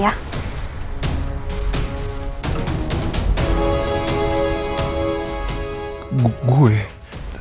saya panggilkan polisi yang ngedampingin bapak di sini ya